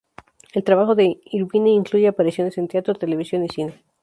El trabajo de Irvine incluye apariciones en teatro, televisión y cine.